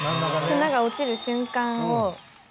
砂が落ちる瞬間を。